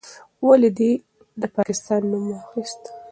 ولې دې د پاکستان نوم واخیست؟